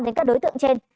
đến các đối tượng trên